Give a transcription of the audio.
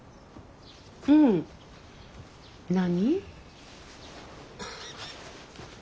うん何？